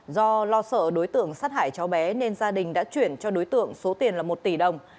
do lo sợ đối tượng sát hại cháu bé nên gia đình đã chuyển cho đối tượng số tiền là một tỷ đồng